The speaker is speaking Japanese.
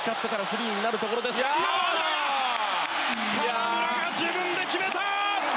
河村が自分で決めた！